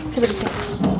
saya beri cek